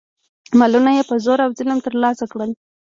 مالونه یې په زور او ظلم ترلاسه کړل.